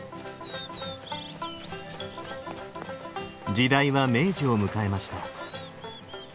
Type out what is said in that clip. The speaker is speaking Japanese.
時代は明治を迎えました。